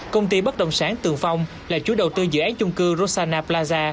công ty bất động sản tường phong là chú đầu tư dự án chung cư rosana plaza